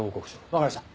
わかりました。